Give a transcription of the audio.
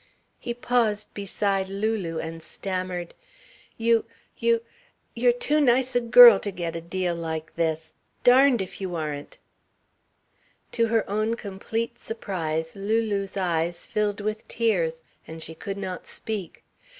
He paused beside Lulu and stammered: "You you you're too nice a girl to get a deal like this. Darned if you aren't." To her own complete surprise Lulu's eyes filled with tears, and she could not speak.